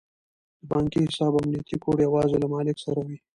د بانکي حساب امنیتي کوډ یوازې له مالیک سره وي.